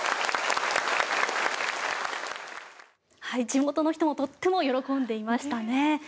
地元の人もとっても喜んでいましたね。